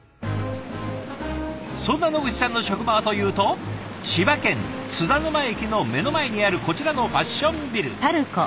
そんな野口さんの職場はというと千葉県津田沼駅の目の前にあるこちらのファッションビル。